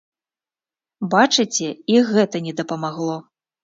Бачыце, і гэта не дапамагло!